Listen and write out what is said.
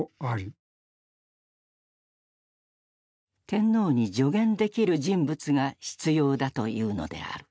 天皇に助言できる人物が必要だというのである。